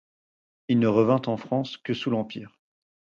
Il ne revint en France que sous l'Empire.